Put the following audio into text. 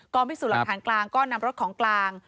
พิสูจน์หลักฐานกลางก็นำรถของกลาง